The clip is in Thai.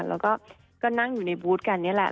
แล้วก็นั่งอยู่ในบูธกันนี่แหละ